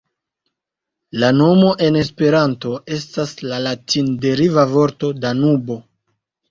La nomo en Esperanto estas la latin-deriva vorto "Danubo".